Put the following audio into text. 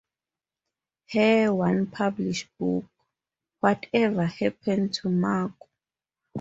Her one published book, Whatever Happened to Margo?